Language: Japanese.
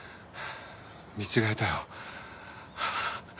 見違えたよ。